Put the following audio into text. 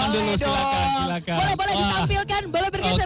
boleh ditampilkan boleh berkisar